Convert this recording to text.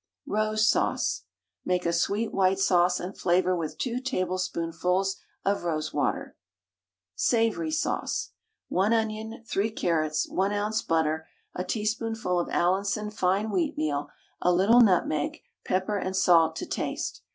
ROSE SAUCE. Make a sweet white sauce, and flavour with 2 tablespoonfuls of rosewater. SAVOURY SAUCE. 1 onion, 3 carrots, 1 oz. butter, a teaspoonful of Allinson fine wheatmeal, a little nutmeg, pepper and salt to taste.